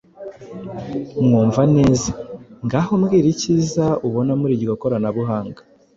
Mwumvaneza:Ngaho mbwira ikiza ubona muri iryo koranabuhanga.